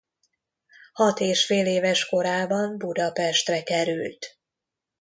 Hat és fél éves korában Budapestre került.